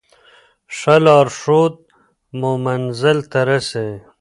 ښه لارښود مو منزل ته رسوي.